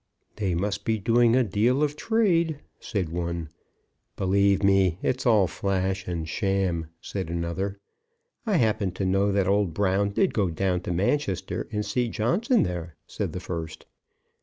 "They must be doing a deal of trade," said one. "Believe me, it is all flash and sham," said another. "I happen to know that old Brown did go down to Manchester and see Johnson there," said the first.